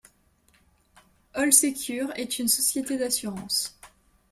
Allsecur est une société d'assurance.